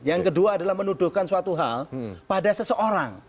yang kedua adalah menuduhkan suatu hal pada seseorang